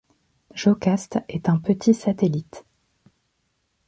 Jocaste est un petit satellite.